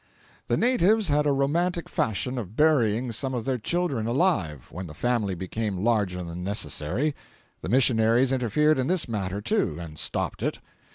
The natives had a romantic fashion of burying some of their children alive when the family became larger than necessary. The missionaries interfered in this matter too, and stopped it.